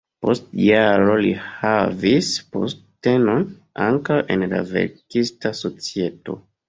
Post jaroj li havis postenon ankaŭ en la verkista societo.